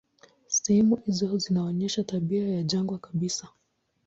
Sehemu hizo zinaonyesha tabia ya jangwa kabisa.